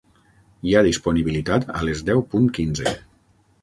Hi ha disponibilitat a les deu punt quinze.